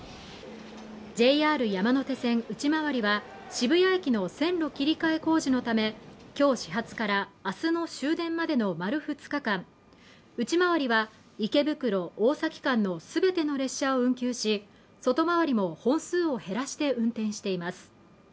ＪＲ山手線内回りは渋谷駅の線路切り替え工事のためきょう始発から明日の終電までの丸２日間内回りは池袋大崎間のすべての列車を運休し外回りも本数を減らして運転しています